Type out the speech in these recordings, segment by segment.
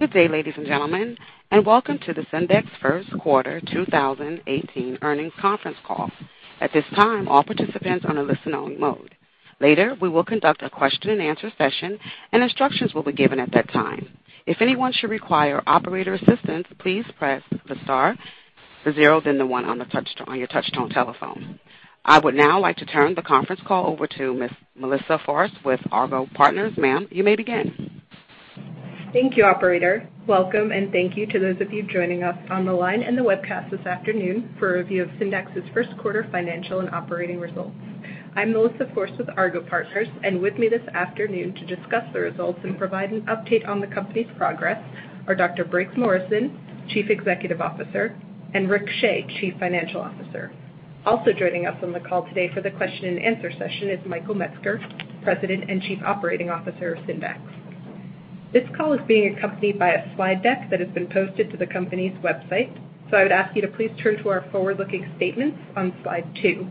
Good day, ladies and gentlemen, and welcome to the Syndax first quarter 2018 earnings conference call. At this time, all participants are on a listen-only mode. Later, we will conduct a question and answer session, and instructions will be given at that time. If anyone should require operator assistance, please press the star, the zero, then the one on your touchtone telephone. I would now like to turn the conference call over to Ms. Melissa Forst with Argot Partners. Ma'am, you may begin. Thank you, operator. Welcome, and thank you to those of you joining us on the line and the webcast this afternoon for a review of Syndax's first quarter financial and operating results. I'm Melissa Forst with Argot Partners, and with me this afternoon to discuss the results and provide an update on the company's progress are Dr. Briggs Morrison, Chief Executive Officer, and Rick Shea, Chief Financial Officer. Also joining us on the call today for the question and answer session is Michael Metzger, President and Chief Operating Officer of Syndax. This call is being accompanied by a slide deck that has been posted to the company's website, so I would ask you to please turn to our forward-looking statements on slide two.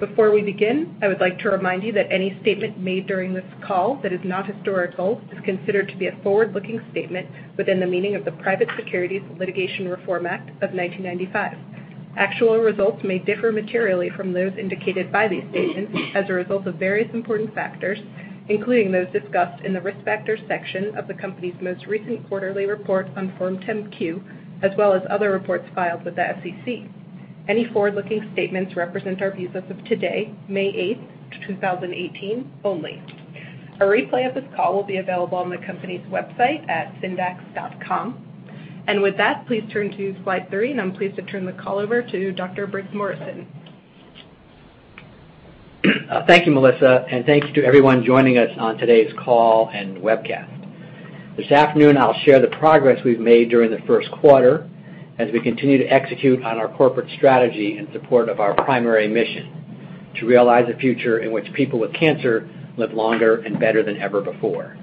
Before we begin, I would like to remind you that any statement made during this call that is not historical is considered to be a forward-looking statement within the meaning of the Private Securities Litigation Reform Act of 1995. Actual results may differ materially from those indicated by these statements as a result of various important factors, including those discussed in the Risk Factors section of the company's most recent quarterly report on Form 10-Q, as well as other reports filed with the SEC. Any forward-looking statements represent our views as of today, May 8th, 2018, only. A replay of this call will be available on the company's website at syndax.com. With that, please turn to slide three, and I'm pleased to turn the call over to Dr. Briggs Morrison. Thank you, Melissa, and thanks to everyone joining us on today's call and webcast. This afternoon, I'll share the progress we've made during the first quarter as we continue to execute on our corporate strategy in support of our primary mission to realize a future in which people with cancer live longer and better than ever before.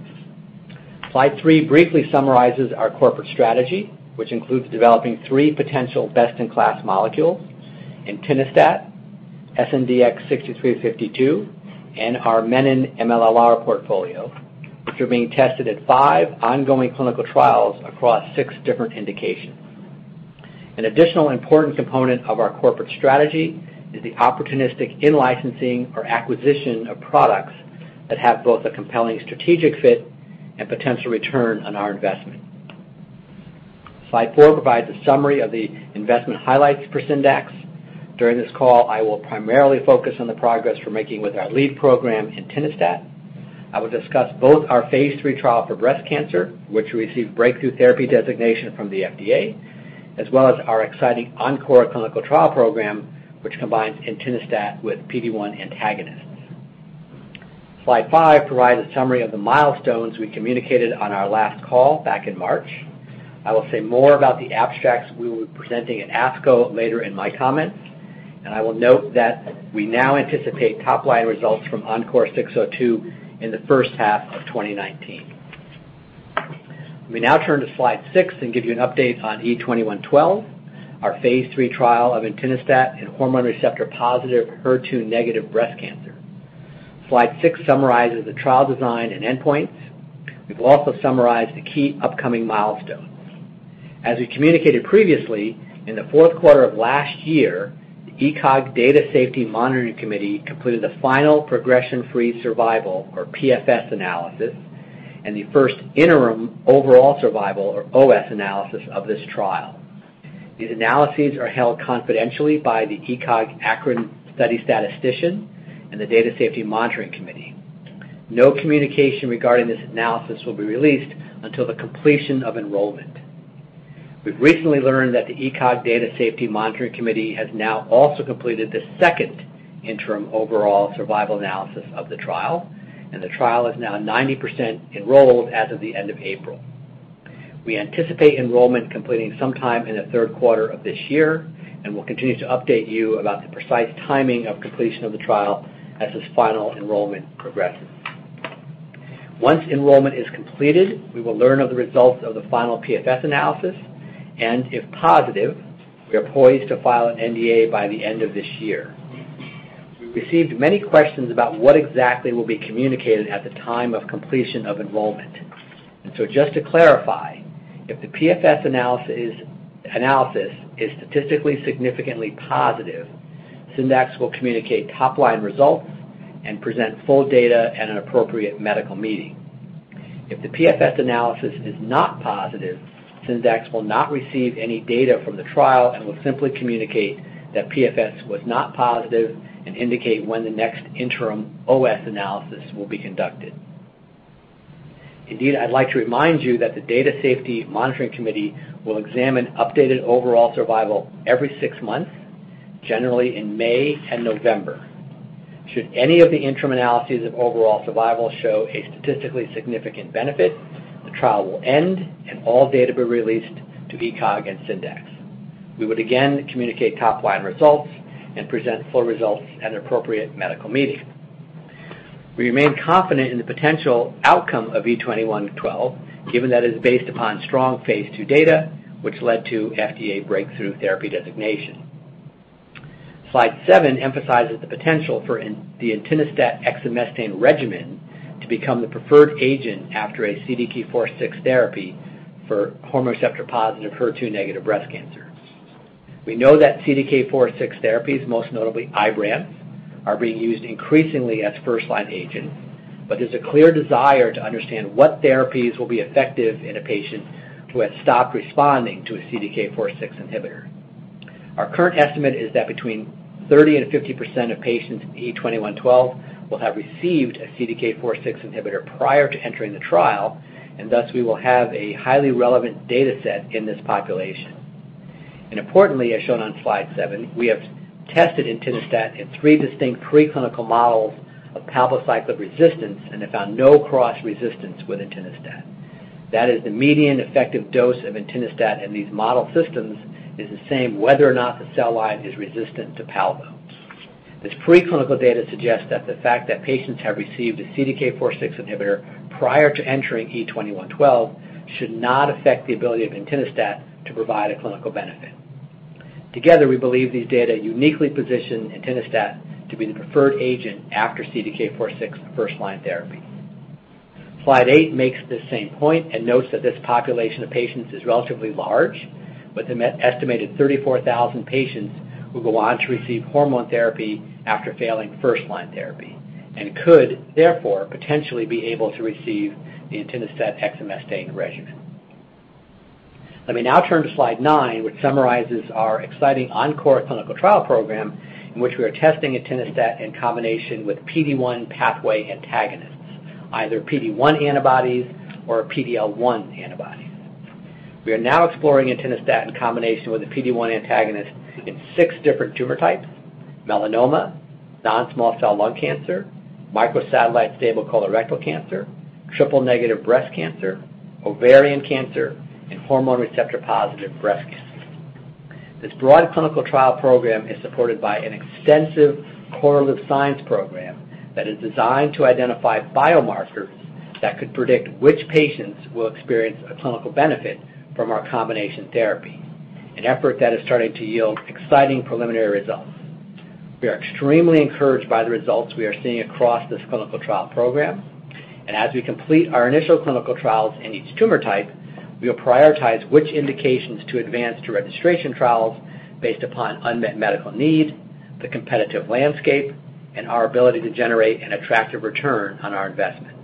Slide three briefly summarizes our corporate strategy, which includes developing three potential best-in-class molecules, entinostat, SNDX-6352, and our Menin-MLL portfolio, which are being tested at five ongoing clinical trials across six different indications. An additional important component of our corporate strategy is the opportunistic in-licensing or acquisition of products that have both a compelling strategic fit and potential return on our investment. Slide four provides a summary of the investment highlights for Syndax. During this call, I will primarily focus on the progress we're making with our lead program, entinostat. I will discuss both our phase III trial for breast cancer, which received breakthrough therapy designation from the FDA, as well as our exciting ENCORE clinical trial program, which combines entinostat with PD-1 antagonists. Slide five provides a summary of the milestones we communicated on our last call back in March. I will say more about the abstracts we will be presenting at ASCO later in my comments, and I will note that we now anticipate top-line results from ENCORE 602 in the first half of 2019. We now turn to slide six and give you an update on E2112, our phase III trial of entinostat in hormone receptor-positive, HER2-negative breast cancer. Slide six summarizes the trial design and endpoints. We've also summarized the key upcoming milestones. As we communicated previously, in the fourth quarter of last year, the ECOG Data Safety Monitoring Committee completed the final progression-free survival, or PFS analysis, and the first interim overall survival, or OS analysis of this trial. These analyses are held confidentially by the ECOG-ACRIN study statistician and the Data Safety Monitoring Committee. No communication regarding this analysis will be released until the completion of enrollment. We've recently learned that the ECOG Data Safety Monitoring Committee has now also completed the second interim overall survival analysis of the trial, and the trial is now 90% enrolled as of the end of April. We anticipate enrollment completing sometime in the third quarter of this year and will continue to update you about the precise timing of completion of the trial as this final enrollment progresses. Once enrollment is completed, we will learn of the results of the final PFS analysis, and if positive, we are poised to file an NDA by the end of this year. We received many questions about what exactly will be communicated at the time of completion of enrollment. Just to clarify, if the PFS analysis is statistically significantly positive, Syndax will communicate top-line results and present full data at an appropriate medical meeting. If the PFS analysis is not positive, Syndax will not receive any data from the trial and will simply communicate that PFS was not positive and indicate when the next interim OS analysis will be conducted. Indeed, I'd like to remind you that the Data Safety Monitoring Committee will examine updated overall survival every six months, generally in May and November. Should any of the interim analyses of overall survival show a statistically significant benefit, the trial will end, and all data will be released to ECOG and Syndax. We would again communicate top-line results and present full results at an appropriate medical meeting. We remain confident in the potential outcome of E2112, given that it is based upon strong phase II data, which led to FDA breakthrough therapy designation. Slide seven emphasizes the potential for the entinostat exemestane regimen to become the preferred agent after a CDK4/6 therapy for hormone receptor-positive, HER2-negative breast cancer. We know that CDK4/6 therapies, most notably IBRANCE, are being used increasingly as first-line agents, but there's a clear desire to understand what therapies will be effective in a patient who has stopped responding to a CDK4/6 inhibitor. Our current estimate is that between 30% and 50% of patients in E2112 will have received a CDK4/6 inhibitor prior to entering the trial, thus we will have a highly relevant data set in this population. Importantly, as shown on slide seven, we have tested entinostat in three distinct pre-clinical models of palbociclib resistance and have found no cross-resistance with entinostat. That is, the median effective dose of entinostat in these model systems is the same whether or not the cell line is resistant to palbo. This pre-clinical data suggests that the fact that patients have received a CDK4/6 inhibitor prior to entering E2112 should not affect the ability of entinostat to provide a clinical benefit. Together, we believe these data uniquely position entinostat to be the preferred agent after CDK4/6 first-line therapy. Slide eight makes this same point and notes that this population of patients is relatively large, with an estimated 34,000 patients who go on to receive hormone therapy after failing first-line therapy and could therefore potentially be able to receive the entinostat exemestane regimen. Let me now turn to slide nine, which summarizes our exciting ENCORE clinical trial program in which we are testing entinostat in combination with PD-1 pathway antagonists, either PD-1 antibodies or PD-L1 antibodies. We are now exploring entinostat in combination with a PD-1 antagonist in 6 different tumor types: melanoma, non-small cell lung cancer, microsatellite stable colorectal cancer, triple-negative breast cancer, ovarian cancer, and hormone receptor-positive breast cancer. This broad clinical trial program is supported by an extensive correlative science program that is designed to identify biomarkers that could predict which patients will experience a clinical benefit from our combination therapy, an effort that is starting to yield exciting preliminary results. We are extremely encouraged by the results we are seeing across this clinical trial program. As we complete our initial clinical trials in each tumor type, we will prioritize which indications to advance to registration trials based upon unmet medical need, the competitive landscape, and our ability to generate an attractive return on our investment.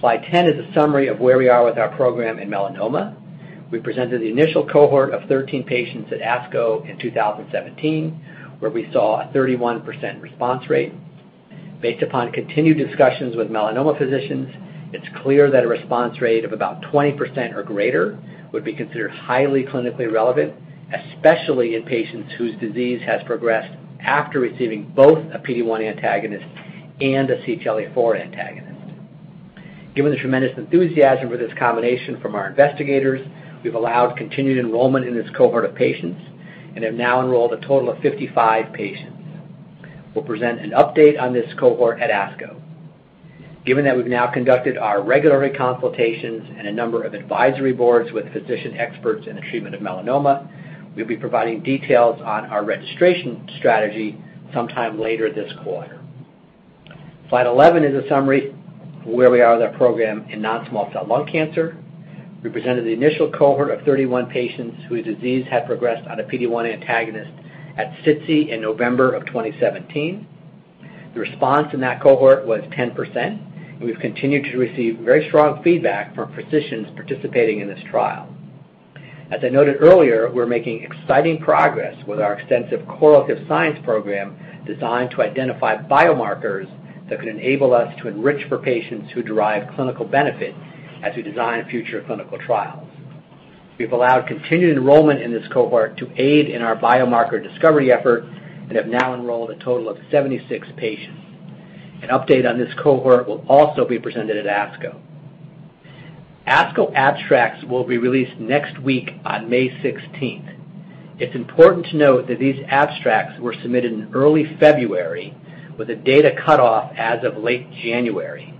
Slide 10 is a summary of where we are with our program in melanoma. We presented the initial cohort of 13 patients at ASCO in 2017, where we saw a 31% response rate. Based upon continued discussions with melanoma physicians, it's clear that a response rate of about 20% or greater would be considered highly clinically relevant, especially in patients whose disease has progressed after receiving both a PD-1 antagonist and a CTLA-4 antagonist. Given the tremendous enthusiasm for this combination from our investigators, we've allowed continued enrollment in this cohort of patients and have now enrolled a total of 55 patients. We'll present an update on this cohort at ASCO. Given that we've now conducted our regulatory consultations and a number of advisory boards with physician experts in the treatment of melanoma, we'll be providing details on our registration strategy sometime later this quarter. Slide 11 is a summary of where we are with our program in non-small cell lung cancer. We presented the initial cohort of 31 patients whose disease had progressed on a PD-1 antagonist at SITC in November of 2017. The response in that cohort was 10%, and we've continued to receive very strong feedback from physicians participating in this trial. As I noted earlier, we're making exciting progress with our extensive correlative science program designed to identify biomarkers that can enable us to enrich for patients who derive clinical benefit as we design future clinical trials. We've allowed continued enrollment in this cohort to aid in our biomarker discovery effort and have now enrolled a total of 76 patients. An update on this cohort will also be presented at ASCO. ASCO abstracts will be released next week on May 16th. It's important to note that these abstracts were submitted in early February with a data cutoff as of late January.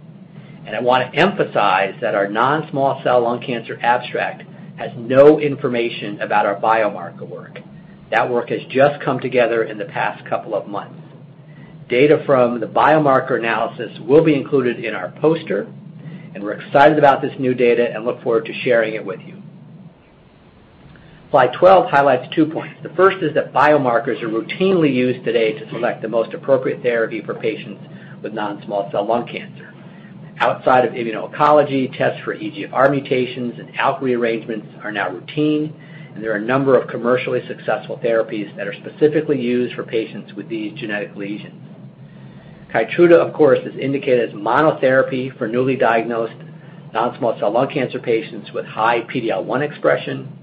I want to emphasize that our non-small cell lung cancer abstract has no information about our biomarker work. That work has just come together in the past couple of months. Data from the biomarker analysis will be included in our poster, and we're excited about this new data and look forward to sharing it with you. Slide 12 highlights two points. The first is that biomarkers are routinely used today to select the most appropriate therapy for patients with non-small cell lung cancer. Outside of immuno-oncology, tests for EGFR mutations and ALK rearrangements are now routine, and there are a number of commercially successful therapies that are specifically used for patients with these genetic lesions. KEYTRUDA, of course, is indicated as monotherapy for newly diagnosed non-small cell lung cancer patients with high PD-L1 expression,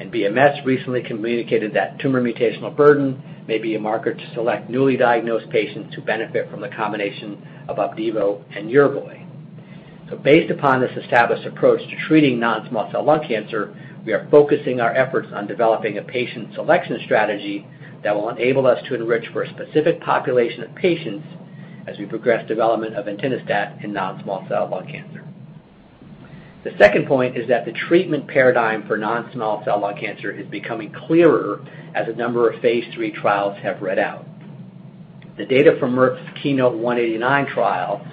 and BMS recently communicated that tumor mutational burden may be a marker to select newly diagnosed patients who benefit from the combination of OPDIVO and YERVOY. Based upon this established approach to treating non-small cell lung cancer, we are focusing our efforts on developing a patient selection strategy that will enable us to enrich for a specific population of patients as we progress development of entinostat in non-small cell lung cancer. The second point is that the treatment paradigm for non-small cell lung cancer is becoming clearer as a number of phase III trials have read out. The data from Merck's KEYNOTE-189 trial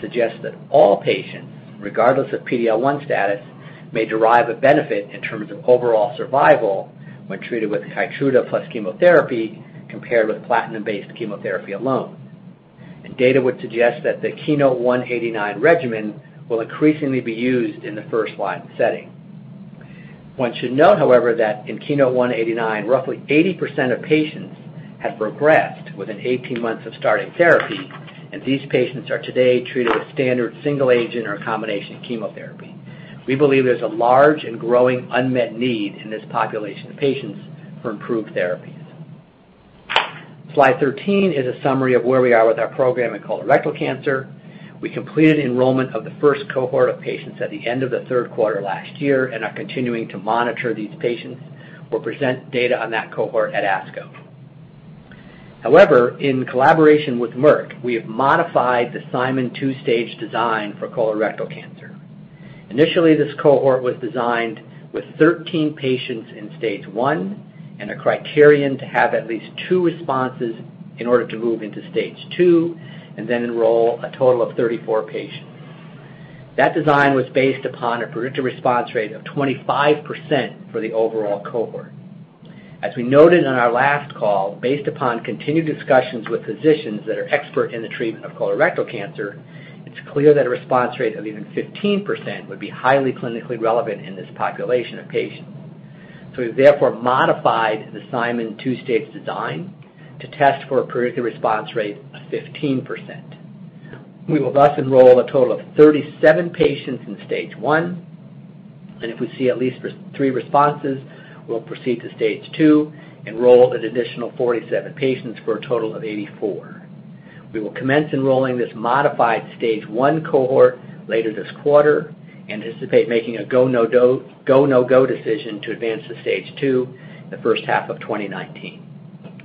suggests that all patients, regardless of PD-L1 status, may derive a benefit in terms of overall survival when treated with KEYTRUDA plus chemotherapy compared with platinum-based chemotherapy alone. Data would suggest that the KEYNOTE-189 regimen will increasingly be used in the first-line setting. One should note, however, that in KEYNOTE-189, roughly 80% of patients have progressed within 18 months of starting therapy, and these patients are today treated with standard single agent or combination chemotherapy. We believe there's a large and growing unmet need in this population of patients for improved therapies. Slide 13 is a summary of where we are with our program in colorectal cancer. We completed enrollment of the first cohort of patients at the end of the third quarter last year and are continuing to monitor these patients. We'll present data on that cohort at ASCO. However, in collaboration with Merck, we have modified the SIMON two-stage design for colorectal cancer. Initially, this cohort was designed with 13 patients in stage 1 and a criterion to have at least 2 responses in order to move into stage 2 and then enroll a total of 34 patients. That design was based upon a predicted response rate of 25% for the overall cohort. As we noted on our last call, based upon continued discussions with physicians that are expert in the treatment of colorectal cancer, it's clear that a response rate of even 15% would be highly clinically relevant in this population of patients. We've therefore modified the SIMON two-stage design to test for a predicted response rate of 15%. We will enroll a total of 37 patients in stage 1, and if we see at least 3 responses, we'll proceed to stage 2, enroll an additional 47 patients for a total of 84. We will commence enrolling this modified stage 1 cohort later this quarter, anticipate making a go, no-go decision to advance to stage 2 in the first half of 2019.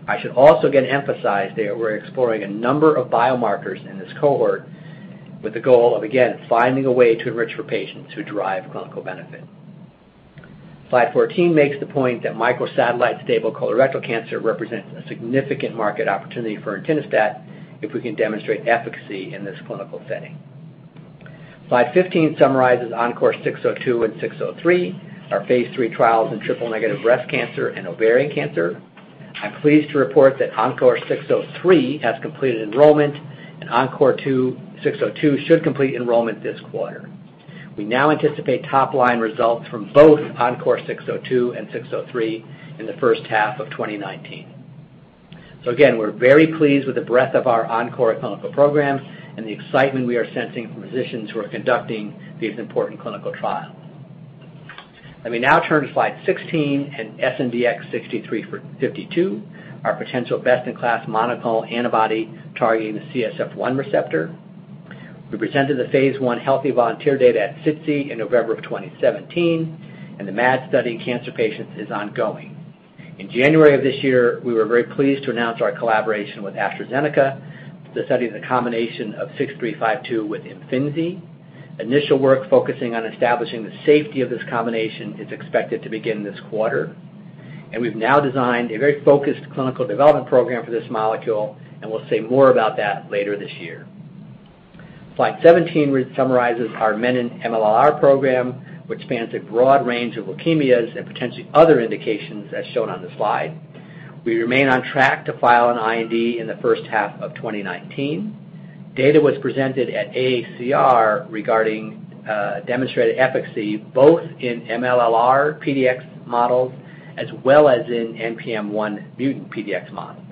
I should also again emphasize that we're exploring a number of biomarkers in this cohort with the goal of, again, finding a way to enrich for patients who derive clinical benefit. Slide 14 makes the point that microsatellite stable colorectal cancer represents a significant market opportunity for entinostat if we can demonstrate efficacy in this clinical setting. Slide 15 summarizes ENCORE 602 and 603, our phase III trials in triple-negative breast cancer and ovarian cancer. I'm pleased to report that ENCORE 603 has completed enrollment, and ENCORE 602 should complete enrollment this quarter. We now anticipate top-line results from both ENCORE 602 and 603 in the first half of 2019. Again, we're very pleased with the breadth of our ENCORE clinical programs and the excitement we are sensing from physicians who are conducting these important clinical trials. Let me now turn to slide 16 and SNDX-6352, our potential best-in-class monoclonal antibody targeting the CSF-1 receptor. We presented the phase I healthy volunteer data at SITC in November 2017, and the MAD study in cancer patients is ongoing. In January of this year, we were very pleased to announce our collaboration with AstraZeneca to study the combination of 6352 with IMFINZI. Initial work focusing on establishing the safety of this combination is expected to begin this quarter. We've now designed a very focused clinical development program for this molecule, and we'll say more about that later this year. Slide 17 summarizes our Menin-MLL program, which spans a broad range of leukemias and potentially other indications as shown on the slide. We remain on track to file an IND in the first half of 2019. Data was presented at AACR regarding demonstrated efficacy both in MLL PDX models as well as in NPM1 mutant PDX models,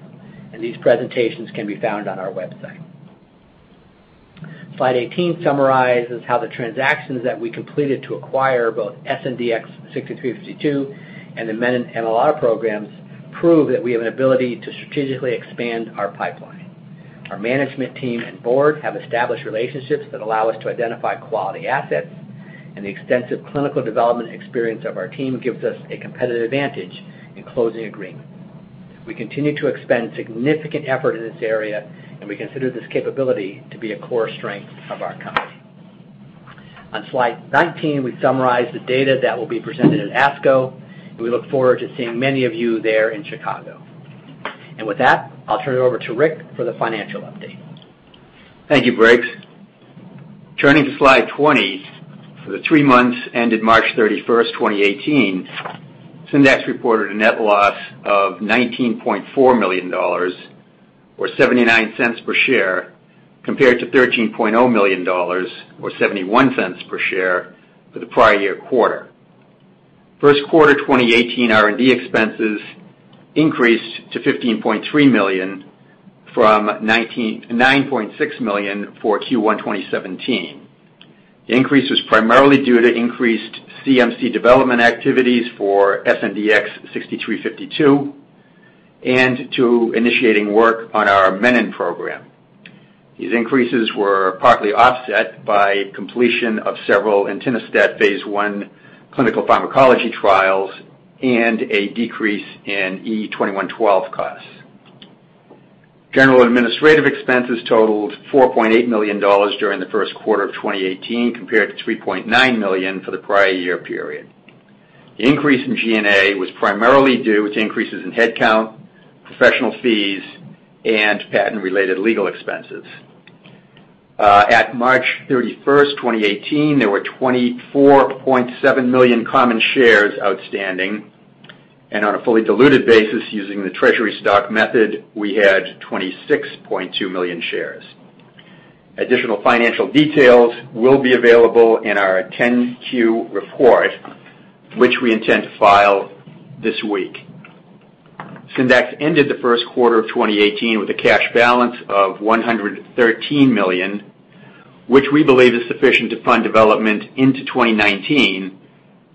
and these presentations can be found on our website. Slide 18 summarizes how the transactions that we completed to acquire both SNDX-6352 and the Menin-MLL programs prove that we have an ability to strategically expand our pipeline. Our management team and board have established relationships that allow us to identify quality assets, and the extensive clinical development experience of our team gives us a competitive advantage in closing agreement. We continue to expend significant effort in this area, we consider this capability to be a core strength of our company. On slide 19, we summarize the data that will be presented at ASCO, we look forward to seeing many of you there in Chicago. With that, I'll turn it over to Rick for the financial update. Thank you, Briggs. Turning to slide 20, for the three months ended March 31, 2018, Syndax reported a net loss of $19.4 million, or $0.79 per share, compared to $13.0 million, or $0.71 per share for the prior year quarter. First quarter 2018 R&D expenses increased to $15.3 million from $9.6 million for Q1 2017. The increase was primarily due to increased CMC development activities for SNDX-6352 and to initiating work on our Menin program. These increases were partly offset by completion of several entinostat phase I clinical pharmacology trials and a decrease in E2112 costs. General administrative expenses totaled $4.8 million during the first quarter of 2018, compared to $3.9 million for the prior year period. The increase in G&A was primarily due to increases in headcount, professional fees, and patent-related legal expenses. At March 31, 2018, there were 24.7 million common shares outstanding, on a fully diluted basis using the treasury stock method, we had 26.2 million shares. Additional financial details will be available in our 10-Q report, which we intend to file this week. Syndax ended the first quarter of 2018 with a cash balance of $113 million, which we believe is sufficient to fund development into 2019,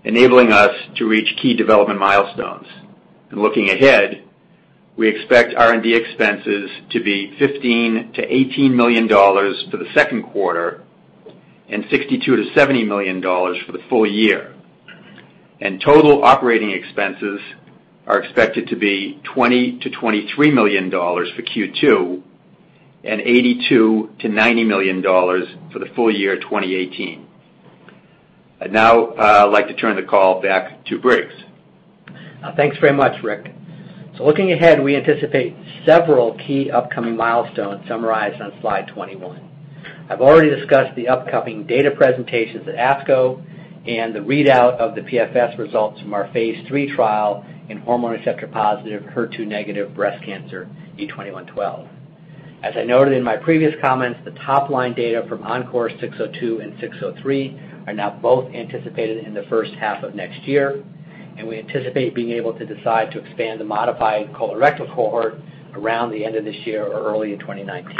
enabling us to reach key development milestones. Looking ahead, we expect R&D expenses to be $15 million-$18 million for the second quarter and $62 million-$70 million for the full year. Total operating expenses are expected to be $20 million-$23 million for Q2 and $82 million-$90 million for the full year 2018. I'd now like to turn the call back to Briggs. Thanks very much, Rick. Looking ahead, we anticipate several key upcoming milestones summarized on slide 21. I've already discussed the upcoming data presentations at ASCO and the readout of the PFS results from our phase III trial in hormone receptor-positive, HER2-negative breast cancer E2112. As I noted in my previous comments, the top-line data from ENCORE 602 and 603 are now both anticipated in the first half of next year, we anticipate being able to decide to expand the modified colorectal cohort around the end of this year or early in 2019.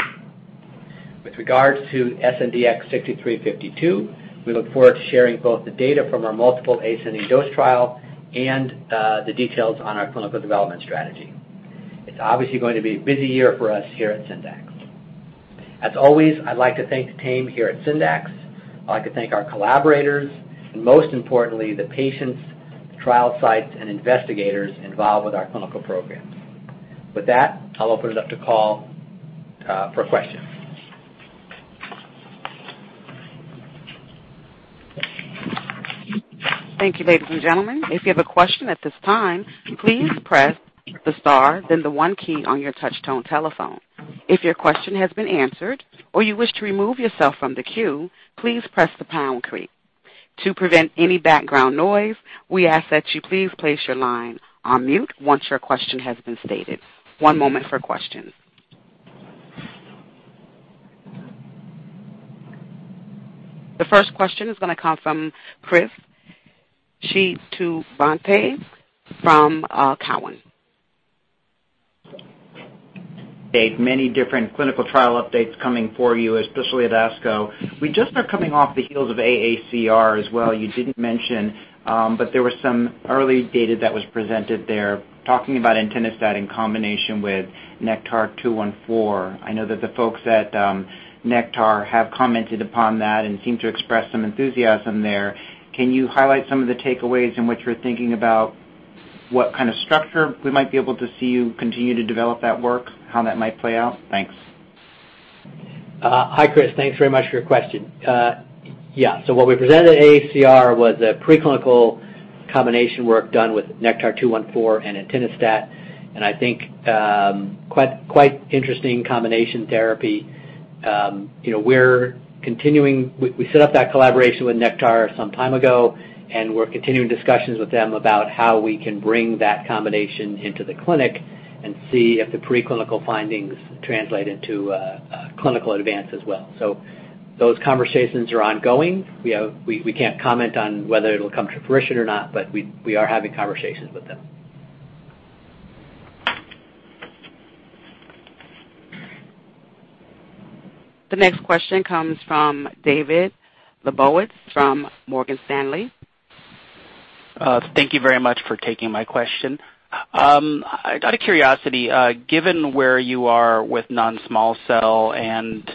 With regards to SNDX-6352, we look forward to sharing both the data from our multiple ascending dose trial and the details on our clinical development strategy. It's obviously going to be a busy year for us here at Syndax. As always, I'd like to thank the team here at Syndax. I'd like to thank our collaborators, and most importantly, the patients, the trial sites, and investigators involved with our clinical programs. With that, I'll open it up to call for questions. Thank you, ladies and gentlemen. If you have a question at this time, please press the star, then the 1 key on your touch-tone telephone. If your question has been answered or you wish to remove yourself from the queue, please press the pound key. To prevent any background noise, we ask that you please place your line on mute once your question has been stated. One moment for questions. The first question is going to come from Chris Shibutani from Cowen. Dave, many different clinical trial updates coming for you, especially at ASCO. We just are coming off the heels of AACR as well. There was some early data that was presented there talking about entinostat in combination with NKTR-214. I know that the folks at Nektar have commented upon that and seem to express some enthusiasm there. Can you highlight some of the takeaways in which we're thinking about what kind of structure we might be able to see you continue to develop that work, how that might play out? Thanks. Hi, Chris. Thanks very much for your question. Yeah. What we presented at AACR was a preclinical combination work done with NKTR-214 and entinostat, and I think quite interesting combination therapy. We set up that collaboration with Nektar some time ago, and we're continuing discussions with them about how we can bring that combination into the clinic and see if the preclinical findings translate into clinical advance as well. Those conversations are ongoing. We can't comment on whether it'll come to fruition or not, but we are having conversations with them. The next question comes from David Lebowitz from Morgan Stanley. Thank you very much for taking my question. Out of curiosity, given where you are with non-small cell and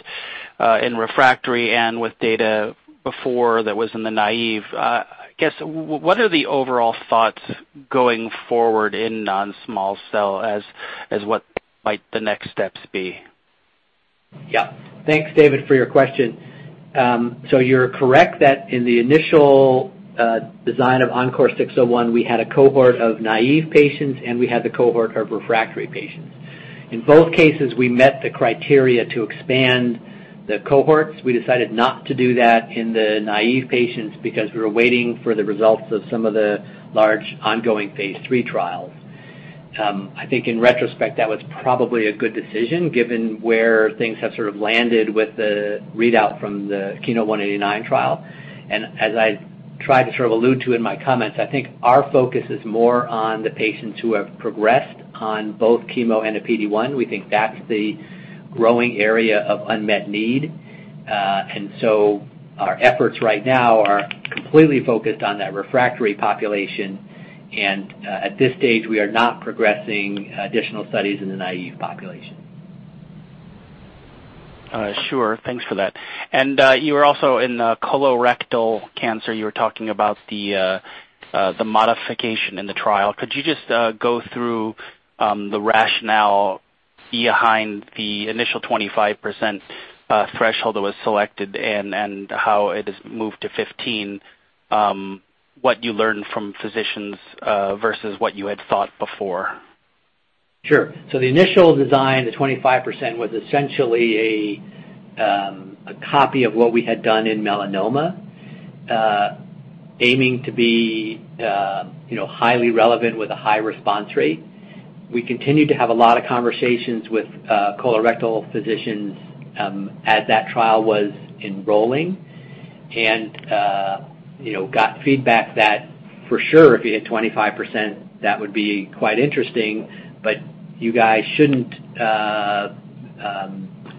in refractory and with data before that was in the naive, I guess, what are the overall thoughts going forward in non-small cell as what might the next steps be? Yeah. Thanks, David, for your question. You're correct that in the initial design of ENCORE 601, we had a cohort of naive patients, and we had the cohort of refractory patients. In both cases, we met the criteria to expand the cohorts. We decided not to do that in the naive patients because we were waiting for the results of some of the large ongoing phase III trials. I think in retrospect, that was probably a good decision given where things have sort of landed with the readout from the KEYNOTE-189 trial. As I tried to sort of allude to in my comments, I think our focus is more on the patients who have progressed on both chemo and a PD-1. We think that's the growing area of unmet need. Our efforts right now are completely focused on that refractory population, and at this stage, we are not progressing additional studies in the naive population. Sure. Thanks for that. You were also in colorectal cancer, you were talking about the modification in the trial. Could you just go through the rationale behind the initial 25% threshold that was selected and how it has moved to 15%? What you learned from physicians versus what you had thought before. Sure. The initial design, the 25%, was essentially a copy of what we had done in melanoma, aiming to be highly relevant with a high response rate. We continued to have a lot of conversations with colorectal physicians as that trial was enrolling and got feedback that for sure, if you hit 25%, that would be quite interesting, but you guys shouldn't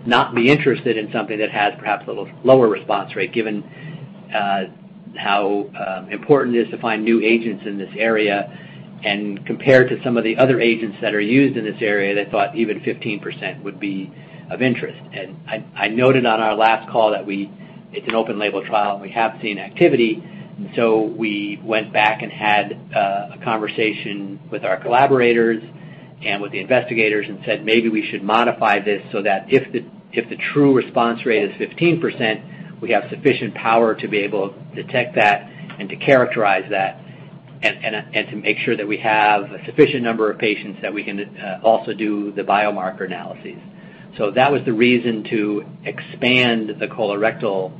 not be interested in something that has perhaps a little lower response rate, given how important it is to find new agents in this area. Compared to some of the other agents that are used in this area, they thought even 15% would be of interest. I noted on our last call that it's an open label trial, and we have seen activity. We went back and had a conversation with our collaborators and with the investigators and said, "Maybe we should modify this so that if the true response rate is 15%, we have sufficient power to be able to detect that and to characterize that, and to make sure that we have a sufficient number of patients that we can also do the biomarker analyses." That was the reason to expand the colorectal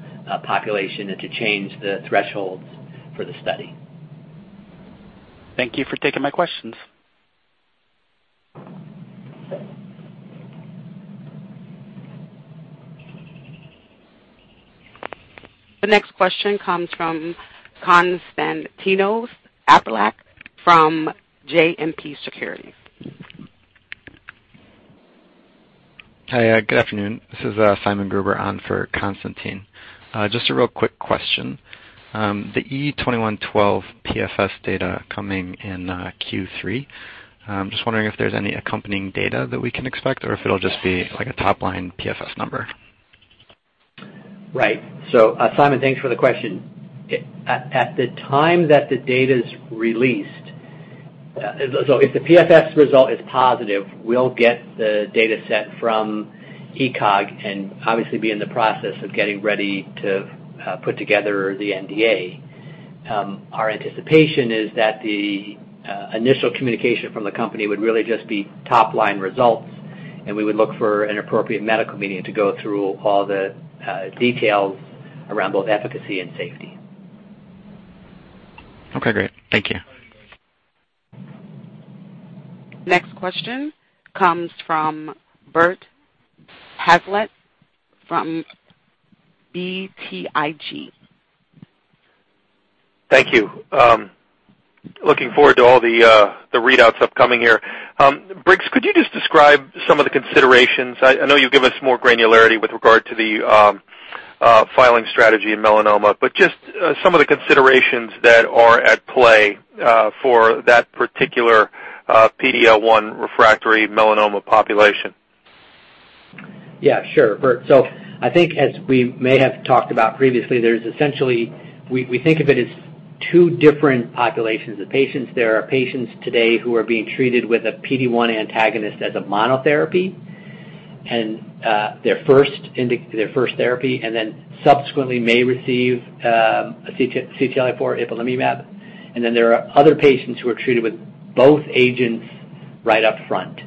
population and to change the thresholds for the study. Thank you for taking my questions. The next question comes from Konstantinos Aprilakis from JMP Securities. Hi, good afternoon. This is Simon Gruber on for Constantine. Just a real quick question. The E2112 PFS data coming in Q3. I'm just wondering if there's any accompanying data that we can expect or if it'll just be like a top-line PFS number. Right. Simon, thanks for the question. At the time that the data's released, so if the PFS result is positive, we'll get the data set from ECOG and obviously be in the process of getting ready to put together the NDA. Our anticipation is that the initial communication from the company would really just be top-line results, and we would look for an appropriate medical meeting to go through all the details around both efficacy and safety. Okay, great. Thank you. Next question comes from Bert Hazlett from BTIG. Thank you. Looking forward to all the readouts upcoming here. Briggs, could you just describe some of the considerations? I know you'll give us more granularity with regard to the filing strategy in melanoma, but just some of the considerations that are at play for that particular PD-L1 refractory melanoma population. Yeah, sure, Bert. I think as we may have talked about previously, there's essentially, we think of it as two different populations of patients. There are patients today who are being treated with a PD-1 antagonist as a monotherapy and their first therapy, then subsequently may receive a CTLA-4 ipilimumab. There are other patients who are treated with both agents right up front.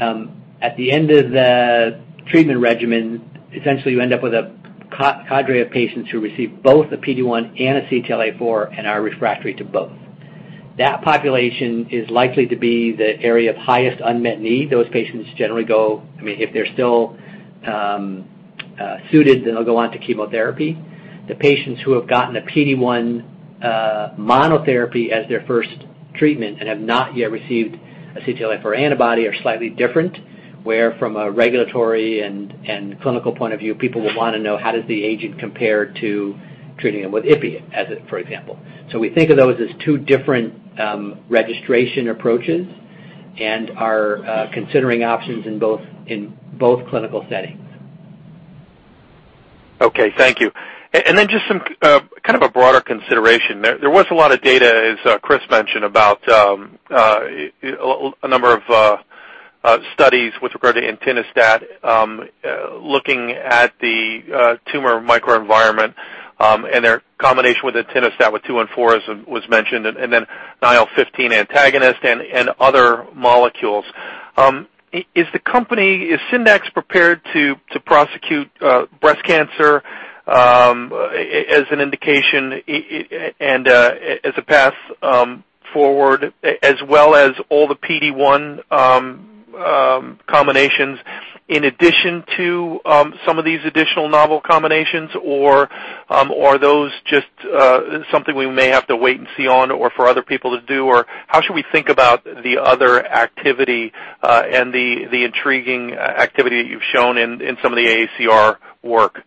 At the end of the treatment regimen, essentially, you end up with a cadre of patients who receive both a PD-1 and a CTLA-4 and are refractory to both. That population is likely to be the area of highest unmet need. Those patients generally go, if they're still suited, they'll go on to chemotherapy. The patients who have gotten a PD-1 monotherapy as their first treatment and have not yet received a CTLA-4 antibody are slightly different, where from a regulatory and clinical point of view, people will want to know how does the agent compare to treating them with Ipi, for example. We think of those as two different registration approaches and are considering options in both clinical settings. Okay, thank you. Just some kind of a broader consideration. There was a lot of data, as Chris mentioned, about a number of studies with regard to entinostat looking at the tumor microenvironment and their combination with entinostat with two and four, as was mentioned, and then IL-15 antagonist and other molecules. Is Syndax prepared to prosecute breast cancer as an indication and as a path forward as well as all the PD-1 combinations in addition to some of these additional novel combinations? Are those just something we may have to wait and see on or for other people to do or how should we think about the other activity and the intriguing activity that you've shown in some of the AACR work?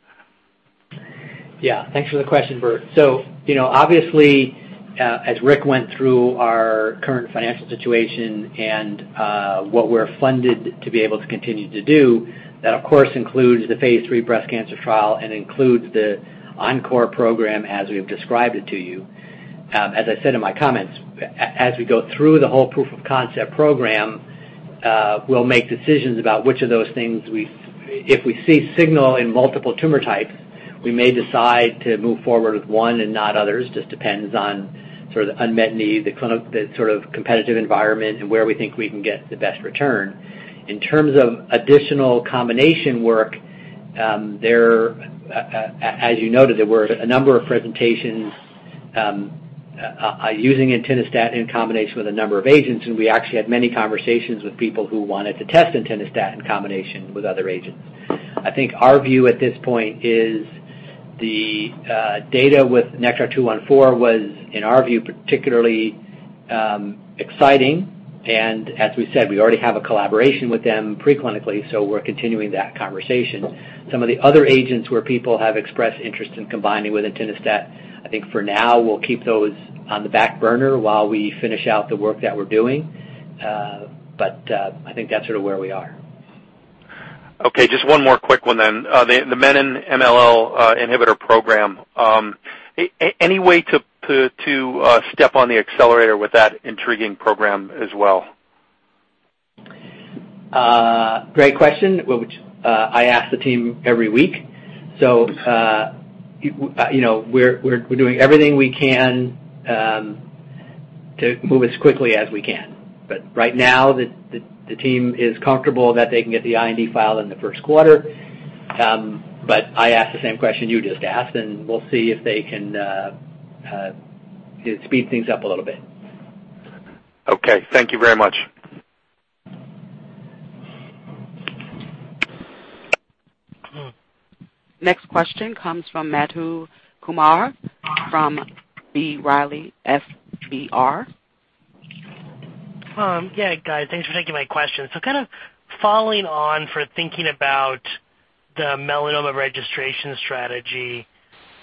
Yeah. Thanks for the question, Bert. Obviously, as Rick went through our current financial situation and what we're funded to be able to continue to do, that of course includes the phase III breast cancer trial and includes the ENCORE program as we've described it to you. As I said in my comments, as we go through the whole proof of concept program, we'll make decisions about which of those things, if we see signal in multiple tumor types, we may decide to move forward with one and not others, just depends on the unmet need, the competitive environment, and where we think we can get the best return. In terms of additional combination work, as you noted, there were a number of presentations using entinostat in combination with a number of agents, and we actually had many conversations with people who wanted to test entinostat in combination with other agents. I think our view at this point is the data with NKTR-214 was, in our view, particularly exciting, and as we said, we already have a collaboration with them pre-clinically, we're continuing that conversation. Some of the other agents where people have expressed interest in combining with entinostat, I think for now, we'll keep those on the back burner while we finish out the work that we're doing. I think that's sort of where we are. Okay, just one more quick one. The Menin-MLL inhibitor program. Any way to step on the accelerator with that intriguing program as well? Great question, which I ask the team every week. We're doing everything we can to move as quickly as we can. Right now, the team is comfortable that they can get the IND filed in the first quarter. I ask the same question you just asked, and we'll see if they can speed things up a little bit. Okay. Thank you very much. Next question comes from Madhu Kumar from B. Riley FBR. Yeah, guys. Thanks for taking my question. Kind of following on for thinking about the melanoma registration strategy,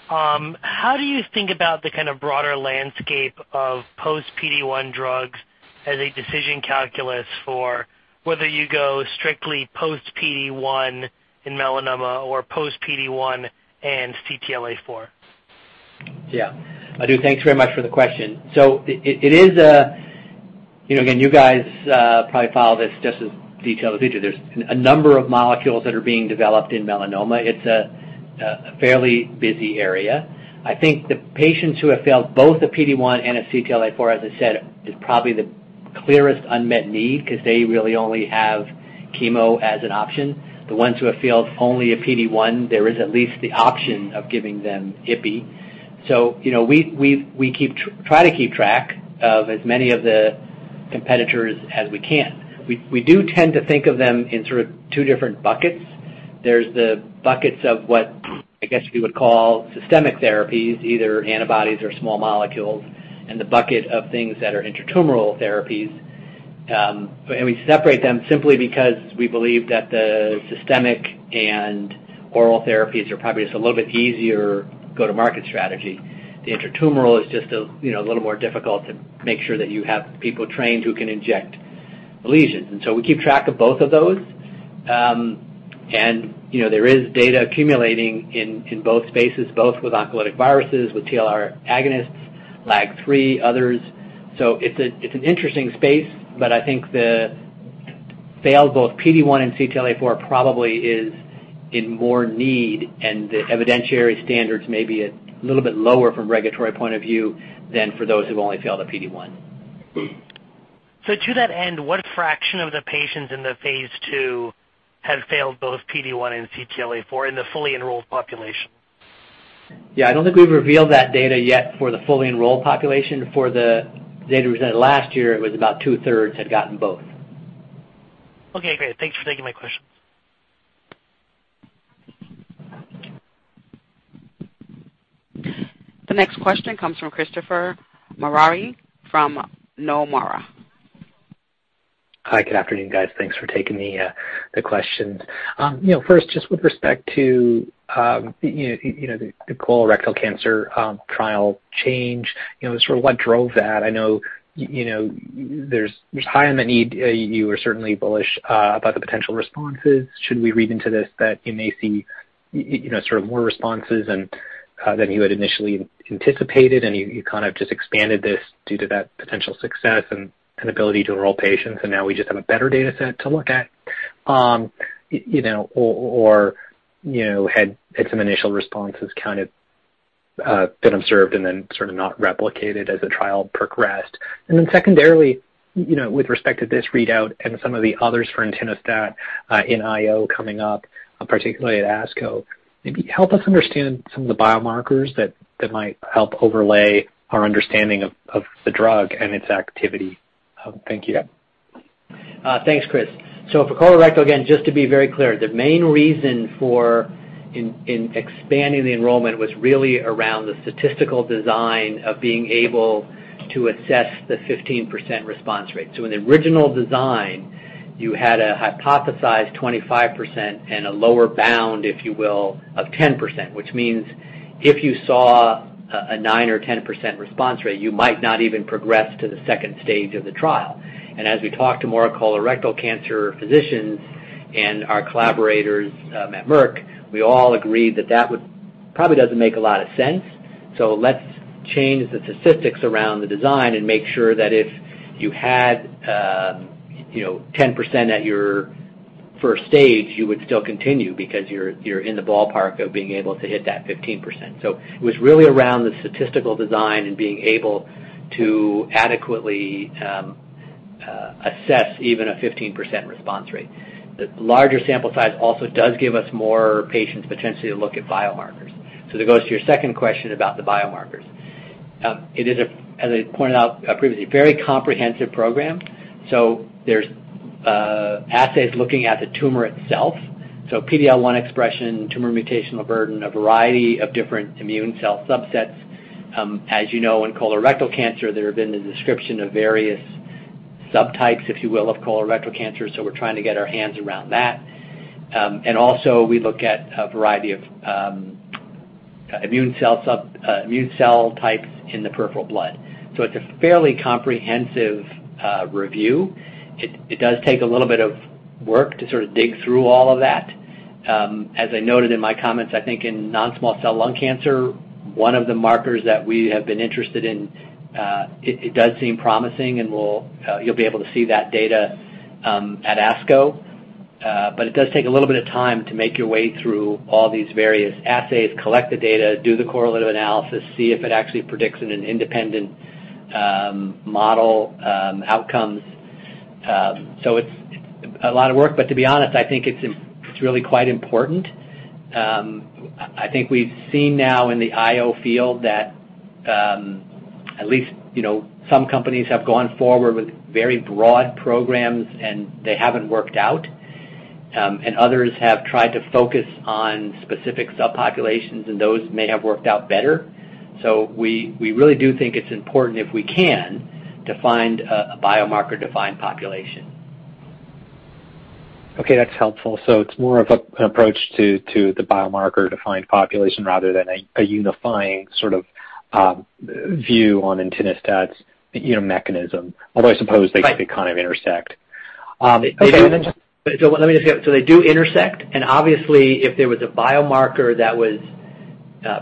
how do you think about the kind of broader landscape of post PD-1 drugs as a decision calculus for whether you go strictly post PD-1 in melanoma or post PD-1 and CTLA-4? Madhu, thanks very much for the question. It is, again, you guys probably follow this just as detailed as we do. There is a number of molecules that are being developed in melanoma. It is a fairly busy area. I think the patients who have failed both the PD-1 and a CTLA-4, as I said, is probably the clearest unmet need because they really only have chemo as an option. The ones who have failed only a PD-1, there is at least the option of giving them Ipi. We try to keep track of as many of the competitors as we can. We do tend to think of them in two different buckets. There is the buckets of what I guess we would call systemic therapies, either antibodies or small molecules, and the bucket of things that are intra-tumoral therapies. We separate them simply because we believe that the systemic and oral therapies are probably just a little bit easier go-to-market strategy. The intra-tumoral is just a little more difficult to make sure that you have people trained who can inject lesions. We keep track of both of those. There is data accumulating in both spaces, both with oncolytic viruses, with TLR agonists, LAG-3, others. It is an interesting space, but I think the failed both PD-1 and CTLA-4 probably is in more need, and the evidentiary standards may be a little bit lower from a regulatory point of view than for those who have only failed a PD-1. To that end, what fraction of the patients in the phase II have failed both PD-1 and CTLA-4 in the fully enrolled population? I don't think we've revealed that data yet for the fully enrolled population. For the data we presented last year, it was about two-thirds had gotten both. Okay, great. Thanks for taking my question. The next question comes from Christopher Marai from Nomura. Hi. Good afternoon, guys. Thanks for taking the questions. First, just with respect to the colorectal cancer trial change, sort of what drove that? I know there's high unmet need. You are certainly bullish about the potential responses. Should we read into this that you may see more responses than you had initially anticipated, and you kind of just expanded this due to that potential success and ability to enroll patients, and now we just have a better data set to look at? Or had some initial responses kind of been observed and then sort of not replicated as the trial progressed? Then secondarily, with respect to this readout and some of the others for entinostat in IO coming up, particularly at ASCO, maybe help us understand some of the biomarkers that might help overlay our understanding of the drug and its activity. Thank you. For colorectal, again, just to be very clear, the main reason for expanding the enrollment was really around the statistical design of being able to assess the 15% response rate. In the original design, you had a hypothesized 25% and a lower bound, if you will, of 10%, which means if you saw a 9% or 10% response rate, you might not even progress to the stage 2 of the trial. As we talk to more colorectal cancer physicians and our collaborators at Merck, we all agreed that that would probably doesn't make a lot of sense. Let's change the statistics around the design and make sure that if you had 10% at your stage 1, you would still continue because you're in the ballpark of being able to hit that 15%. It was really around the statistical design and being able to adequately assess even a 15% response rate. The larger sample size also does give us more patients potentially to look at biomarkers. That goes to your second question about the biomarkers. It is, as I pointed out previously, a very comprehensive program. There's assays looking at the tumor itself. PD-L1 expression, tumor mutational burden, a variety of different immune cell subsets. As you know, in colorectal cancer, there have been the description of various subtypes, if you will, of colorectal cancer. We're trying to get our hands around that. Also, we look at a variety of immune cell types in the peripheral blood. It's a fairly comprehensive review. It does take a little bit of work to sort of dig through all of that. As I noted in my comments, I think in non-small cell lung cancer, one of the markers that we have been interested in, it does seem promising, and you'll be able to see that data at ASCO. It does take a little bit of time to make your way through all these various assays, collect the data, do the correlative analysis, see if it actually predicts in an independent model outcomes. It's a lot of work, but to be honest, I think it's really quite important. I think we've seen now in the IO field that at least some companies have gone forward with very broad programs, and they haven't worked out. Others have tried to focus on specific subpopulations, and those may have worked out better. We really do think it's important, if we can, to find a biomarker-defined population. Okay, that's helpful. It's more of an approach to the biomarker-defined population rather than a unifying sort of view on entinostat's mechanism. Right kind of intersect. Okay, then. They do intersect. Obviously, if there was a biomarker that was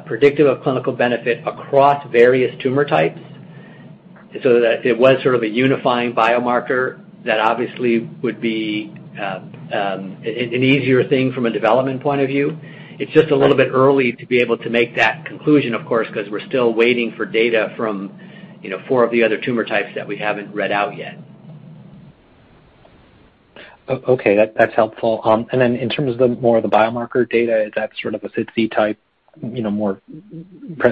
predictive of clinical benefit across various tumor types, so that it was sort of a unifying biomarker, that obviously would be an easier thing from a development point of view. It's just a little bit early to be able to make that conclusion, of course, because we're still waiting for data from four of the other tumor types that we haven't read out yet. Okay, that's helpful. In terms of more of the biomarker data, is that sort of a SITC type more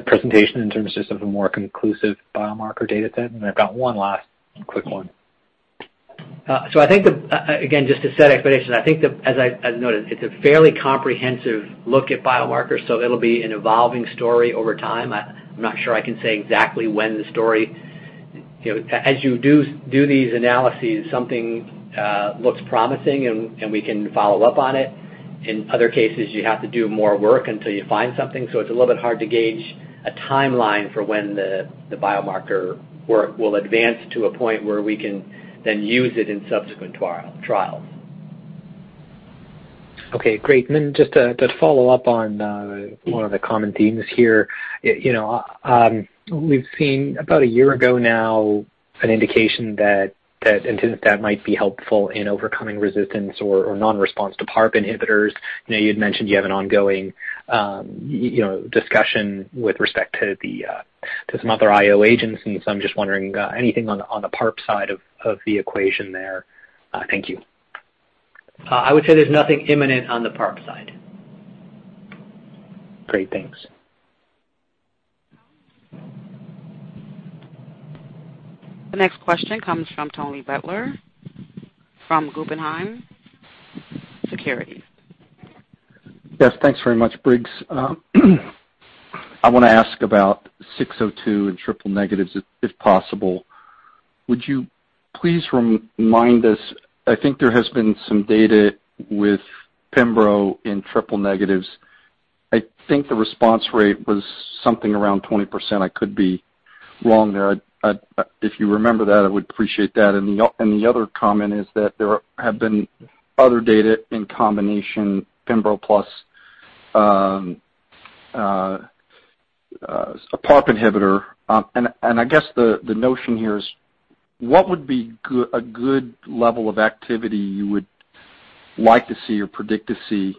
presentation in terms just of a more conclusive biomarker data set? I've got one last quick one. I think, again, just to set expectations, I think, as noted, it's a fairly comprehensive look at biomarkers, it'll be an evolving story over time. I'm not sure I can say exactly when. As you do these analyses, something looks promising, and we can follow up on it. In other cases, you have to do more work until you find something. It's a little bit hard to gauge a timeline for when the biomarker work will advance to a point where we can then use it in subsequent trials. Okay, great. Just to follow up on one of the common themes here. We've seen about a year ago now an indication that entinostat might be helpful in overcoming resistance or non-response to PARP inhibitors. You'd mentioned you have an ongoing discussion with respect to some other IO agents. I'm just wondering, anything on the PARP side of the equation there? Thank you. I would say there's nothing imminent on the PARP side. Great. Thanks. The next question comes from Tony Butler from Guggenheim Securities. Thanks very much, Briggs. I want to ask about 602 and triple negatives, if possible. Would you please remind us, I think there has been some data with pembrolizumab in triple negatives. I think the response rate was something around 20%. I could be wrong there. If you remember that, I would appreciate that. The other comment is that there have been other data in combination pembrolizumab plus a PARP inhibitor. I guess the notion here is what would be a good level of activity you would like to see or predict to see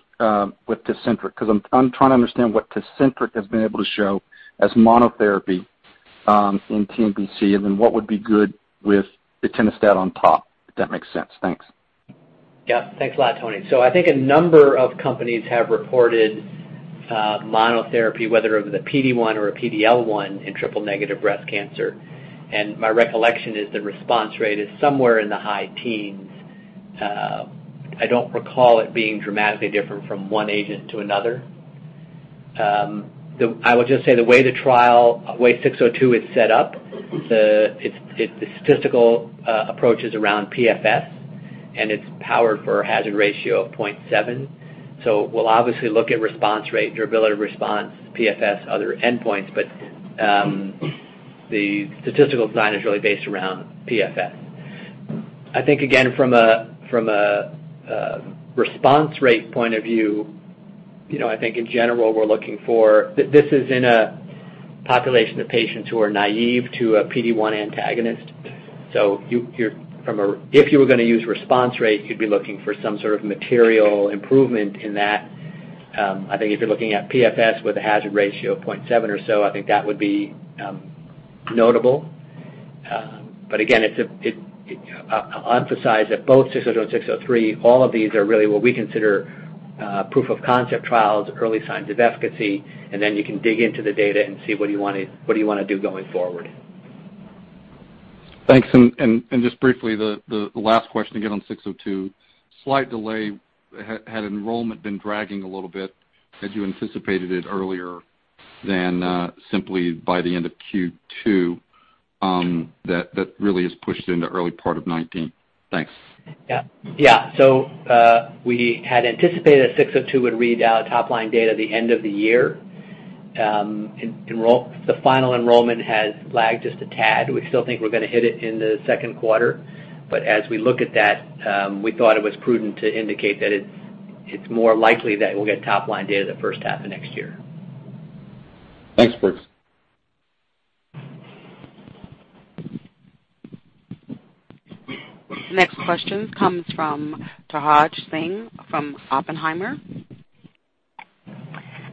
with Tecentriq? Because I'm trying to understand what Tecentriq has been able to show as monotherapy in TNBC, and then what would be good with entinostat on top, if that makes sense. Thanks. Thanks a lot, Tony. I think a number of companies have reported monotherapy, whether it was a PD-1 or a PD-L1 in triple-negative breast cancer, and my recollection is the response rate is somewhere in the high teens. I don't recall it being dramatically different from one agent to another. I would just say the way trial 602 is set up, the statistical approach is around PFS, and it's powered for a hazard ratio of 0.7. We'll obviously look at response rate, durability of response, PFS, other endpoints, but the statistical design is really based around PFS. Again, from a response rate point of view, in general, this is in a population of patients who are naive to a PD-1 antagonist. If you were going to use response rate, you'd be looking for some sort of material improvement in that. If you're looking at PFS with a hazard ratio of 0.7 or so, that would be notable. Again, I'll emphasize that both 602 and 603, all of these are really what we consider proof-of-concept trials, early signs of efficacy, then you can dig into the data and see what you want to do going forward. Thanks. Just briefly, the last question, again on 602, slight delay. Had enrollment been dragging a little bit? Had you anticipated it earlier than simply by the end of Q2 that really is pushed into early part of 2019? Thanks. We had anticipated that 602 would read out top-line data at the end of the year. The final enrollment has lagged just a tad. We still think we're going to hit it in the second quarter, as we look at that, we thought it was prudent to indicate that it's more likely that we'll get top-line data the first half of next year. Thanks, Briggs. The next question comes from Hartaj Singh from Oppenheimer.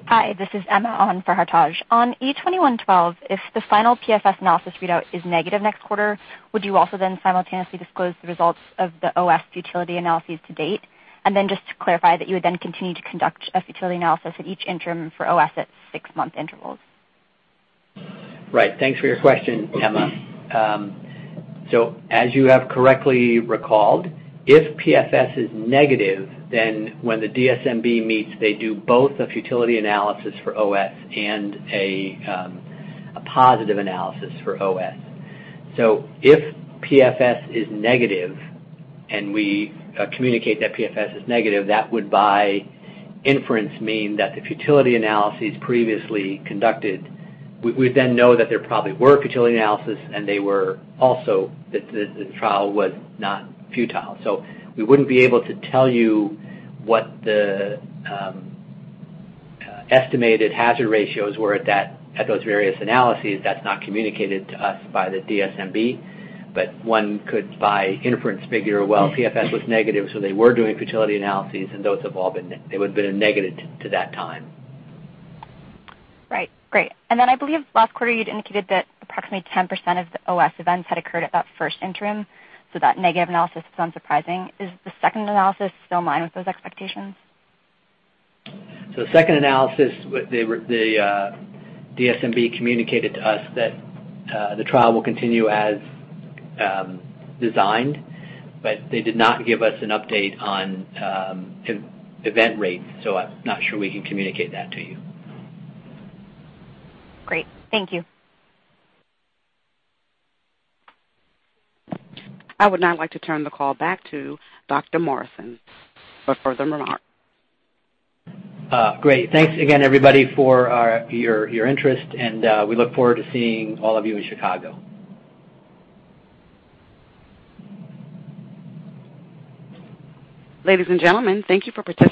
Hi, this is Emma on for Hartaj. On E2112, if the final PFS analysis readout is negative next quarter, would you also simultaneously disclose the results of the OS futility analyses to date? Just to clarify that you would continue to conduct a futility analysis at each interim for OS at six-month intervals. Right. Thanks for your question, Emma. As you have correctly recalled, if PFS is negative, when the DSMB meets, they do both a futility analysis for OS and a positive analysis for OS. If PFS is negative and we communicate that PFS is negative, that would by inference mean that the futility analyses previously conducted, we would know that there probably were futility analysis, and also that the trial was not futile. We wouldn't be able to tell you what the estimated hazard ratios were at those various analyses. That's not communicated to us by the DSMB. One could, by inference, figure, well, PFS was negative, so they were doing futility analyses, and those have all been a negative to that time. Right. Great. I believe last quarter you'd indicated that approximately 10% of the OS events had occurred at that first interim. That negative analysis is unsurprising. Is the second analysis still in line with those expectations? The second analysis, the DSMB communicated to us that the trial will continue as designed. They did not give us an update on event rates. I'm not sure we can communicate that to you. Great. Thank you. I would now like to turn the call back to Dr. Morrison for further remarks. Great. Thanks again, everybody, for your interest. We look forward to seeing all of you in Chicago. Ladies and gentlemen, thank you for participating